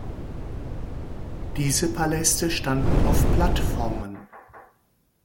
Diese Paläste standen auf Plattformen.